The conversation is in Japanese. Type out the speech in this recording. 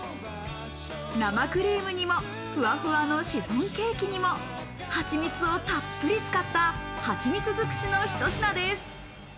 生クリームにもふわふわのシフォンケーキにもはちみつをたっぷり使った、はちみつづくしのひと品です。